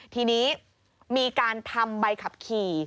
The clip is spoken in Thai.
ทีนี้มีการทำใบขับขี่